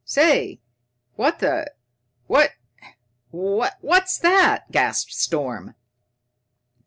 "Say, what the what what's that?" gasped Storm.